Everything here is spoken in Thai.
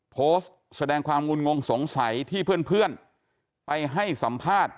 โพสต์แสดงความงุ่นงงสงสัยที่เพื่อนไปให้สัมภาษณ์